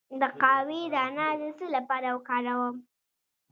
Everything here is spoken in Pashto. د قهوې دانه د څه لپاره وکاروم؟